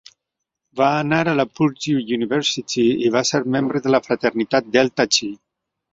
Va anar a la Purdue University i va ser membre de la fraternitat Delta Chi.